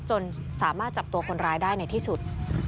จนสามารถจับตัวคนร้ายได้ในที่สุด